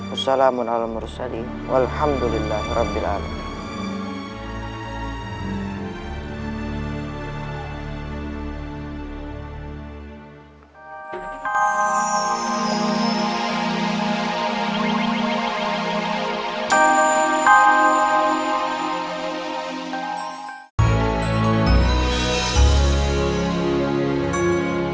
wassalamualaikum warahmatullahi wabarakatuh